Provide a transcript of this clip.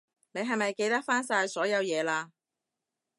你係咪記得返晒所有嘢喇？